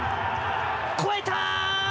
越えた。